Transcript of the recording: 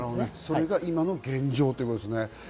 それが今の現状ということですね。